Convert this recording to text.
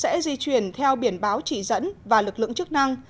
các phương tiện ô tô sẽ di chuyển theo biển báo chỉ dựng và lực lượng chức năng